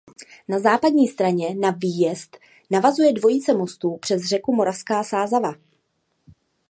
Na západní straně na výjezd navazuje dvojice mostů přes řeku Moravská Sázava.